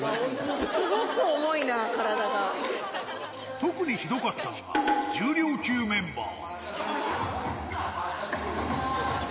特にひどかったのが重量級メンバー。